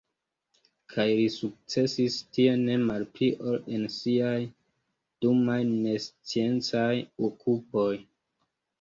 Kaj li sukcesis tie ne malpli ol en siaj dumaj nesciencaj okupoj.